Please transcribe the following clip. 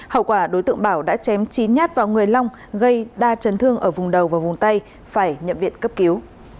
hậu quả đối tượng bảo đã chém chín nhát vào người long gây đa chấn thương ở vùng đầu và vùng tay phải nhập viện cấp cứu